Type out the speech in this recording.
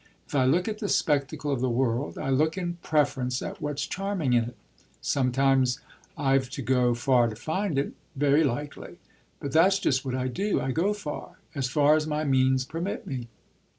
If I look at the spectacle of the world I look in preference at what's charming in it. Sometimes I've to go far to find it very likely; but that's just what I do. I go far as far as my means permit me.